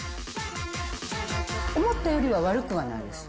思ったよりは悪くはない。